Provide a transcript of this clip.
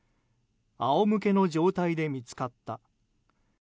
あおむけの状態で見つかった。